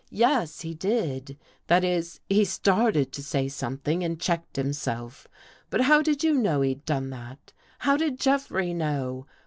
"Yes, he did. That is, he started to say something and checked himself. But how did you know he'd done that? How did Jeffrey know?